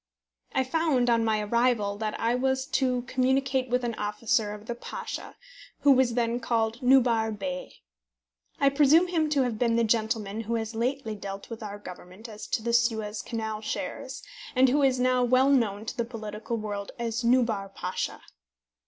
I found, on my arrival, that I was to communicate with an officer of the Pasha, who was then called Nubar Bey. I presume him to have been the gentleman who has lately dealt with our Government as to the Suez Canal shares, and who is now well known to the political world as Nubar Pasha.